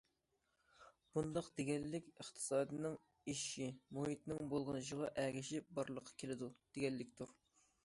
بۇنداق دېگەنلىك ئىقتىسادنىڭ ئېشىشى مۇھىتنىڭ بۇلغىنىشىغا ئەگىشىپ بارلىققا كېلىدۇ، دېگەنلىكتۇر.